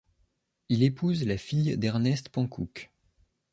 Il épouse la fille d'Ernest Panckoucke.